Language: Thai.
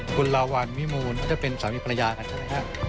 คุณลาวัลวิมูลน่าจะเป็นสามีภรรยากันใช่ไหมฮะ